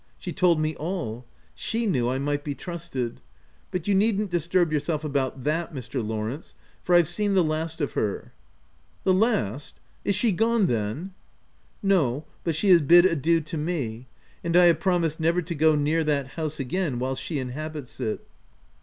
She told me all. She knew I might be trusted. But you needn't disturb yourself about that, Mr. Lawrence, for I've seen the last of her !"" The last ! is she gone then ?" u No, but she has bid adieu to me ; and I have promised never to go near that house again while she inhabits it."